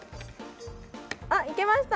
あっいけました。